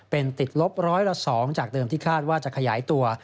เป็นติดลบร้อยละ๒จากเดิมที่คาดว่าจะขยายตัว